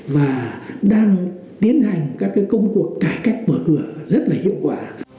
và đang tiến hành các công cuộc cải cách mở cửa rất là hiệu quả